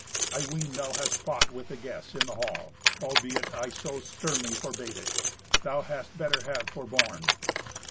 I ween thou hast fought with the guests in the hall, albeit I so sternly forbade it. Thou hadst better have forborne."